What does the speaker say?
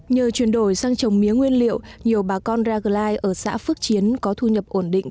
nhờ chuyển đổi sang trồng mía nguyên liệu nhiều bà con raglai ở xã phước chiến có thu nhập ổn định